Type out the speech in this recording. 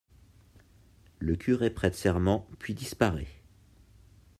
Le curé prête serment puis disparaît.